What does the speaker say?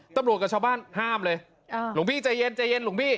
ตำลูกกับชาวบ้านห้ามเลยอ๋อหลวงพี่ใจเย็นหลวงพี่